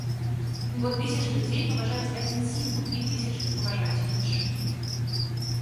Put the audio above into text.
Бо тысячы людзей паважаюць адзін сімвал, і тысячы паважаюць іншы.